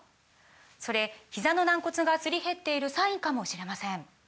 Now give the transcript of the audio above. それひざの軟骨がすり減っているサインかもしれません